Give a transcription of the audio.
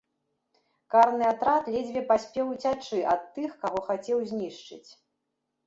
Карны атрад ледзьве паспеў уцячы ад тых, каго хацеў знішчыць.